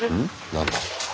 何だ？